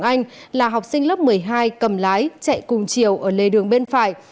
anh là học sinh lớp một mươi hai cầm lái chạy cùng chiều ở lề đường bên phải